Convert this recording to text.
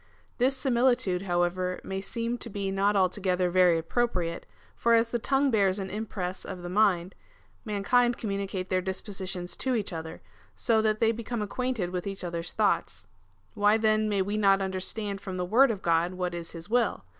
This similitude, however, may seem to be not altogether very appropriate, for as the tongue bears an impress of the mind, mankind communicate their dispositions to each other, so that they become acquainted with each other's thoughts. Why then may we not understand from the word of God what is his will?